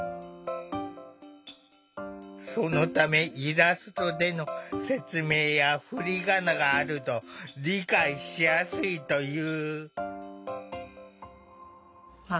そのためイラストでの説明や振り仮名があると理解しやすいという。